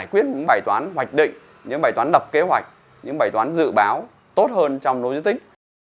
giải quyết những bài toán hoạch định những bài toán đập kế hoạch những bài toán dự báo tốt hơn trong logistics